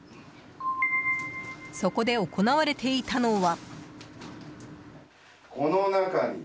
そこで行われていたのは。